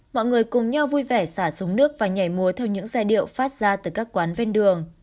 mọi người cùng nhau vui vẻ xả súng nước và nhảy múa theo những giai điệu phát ra từ các quán ven đường